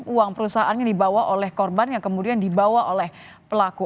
uang perusahaan yang dibawa oleh korban yang kemudian dibawa oleh pelaku